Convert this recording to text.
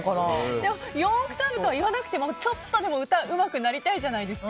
でも、４オクターブとは言わなくてもちょっとでも歌がうまくなりたいじゃないですか。